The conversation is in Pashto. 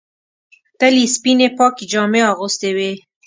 تل یې سپینې پاکې جامې اغوستې وې.